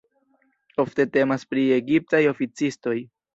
Ofte temas pri egiptaj oficistoj.